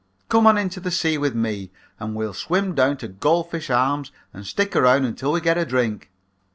Come on into the sea with me and we'll swim down to Gold Fish Arms and stick around until we get a drink.